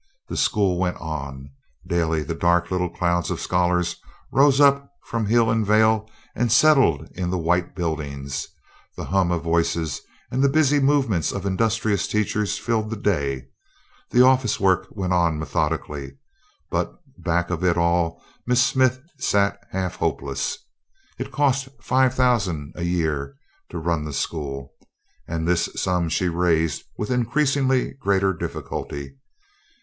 The school went on; daily the dark little cloud of scholars rose up from hill and vale and settled in the white buildings; the hum of voices and the busy movements of industrious teachers filled the day; the office work went on methodically; but back of it all Miss Smith sat half hopeless. It cost five thousand a year to run the school, and this sum she raised with increasingly greater difficulty.